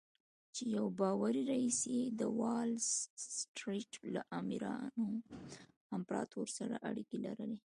چې يو باوري رييس يې د وال سټريټ له امپراتور سره اړيکې لري.